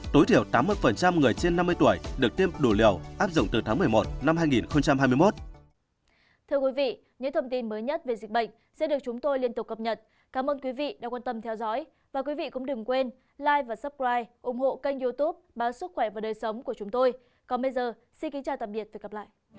tối thiểu tám mươi người trên năm mươi tuổi được tiêm đủ liều áp dụng từ tháng một mươi một năm hai nghìn hai mươi một